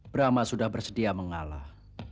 brahma sudah bersedia mengalah